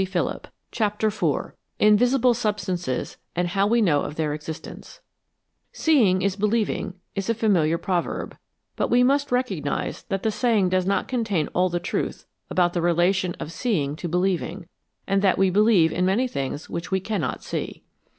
88 CHAPTER IV INVISIBLE SUBSTANCES, AND HOW WE KNOW OF THEIR EXISTENCE " O EEING is believing " is a familiar proverb, but we ^\ must recognise that the saying does not contain all the truth about the relation of seeing to believing, and that we believe in many things which we cannot see.